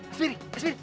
mas firi mas firi